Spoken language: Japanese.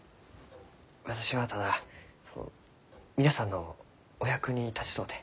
私はただその皆さんのお役に立ちとうて。